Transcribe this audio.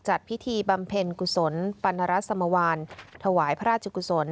จัดพิธีบำเพ็ญกุศลปรณรสมวานถวายพระราชกุศล